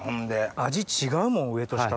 味違うもん上と下と。